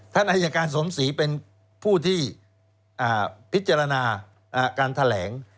ท่านอายการสมศรีเป็นผู้ที่พิจารณาการแถลง